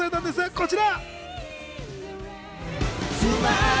こちら！